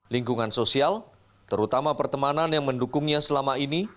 lingkungan sosial terutama pertemanan yang mendukungnya selama ini